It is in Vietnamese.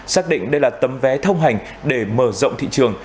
xác định đây là tấm vé thông hành để mở rộng thị trường